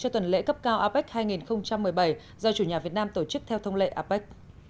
cho tuần lễ cấp cao apec hai nghìn một mươi bảy do chủ nhà việt nam tổ chức theo thông lệ apec